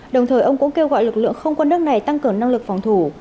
đồng thời ông cũng kêu gọi lực lượng không quân nước này tăng cường năng lực phòng thủ